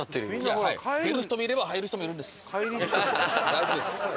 大丈夫です。